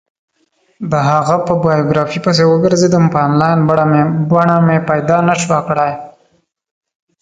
د هغه په بایوګرافي پسې وگرځېدم، په انلاین بڼه مې پیدا نه شوه کړلی.